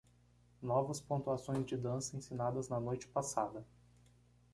Novas pontuações de dança ensinadas na noite passada